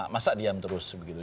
masa diam terus begitu